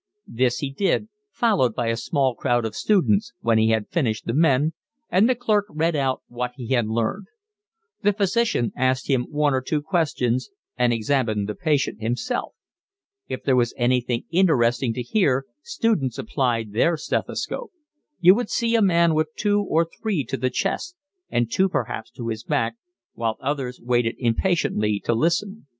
This he did, followed by a small crowd of students, when he had finished the men, and the clerk read out what he had learned. The physician asked him one or two questions, and examined the patient himself. If there was anything interesting to hear students applied their stethoscope: you would see a man with two or three to the chest, and two perhaps to his back, while others waited impatiently to listen.